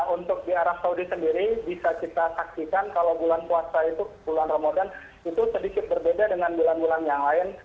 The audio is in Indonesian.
untuk di arab saudi sendiri bisa kita saksikan kalau bulan puasa itu bulan ramadan itu sedikit berbeda dengan bulan bulan yang lain